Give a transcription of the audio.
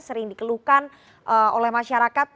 sering dikeluhkan oleh masyarakat